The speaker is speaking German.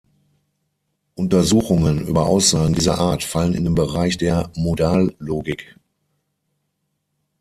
Untersuchungen über Aussagen dieser Art fallen in den Bereich der Modallogik.